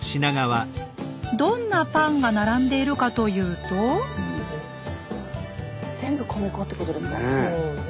どんなパンが並んでいるかというと全部米粉ってことですよね。